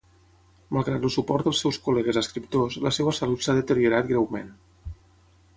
Malgrat el suport dels seus col·legues escriptors, la seva salut s'ha deteriorat greument.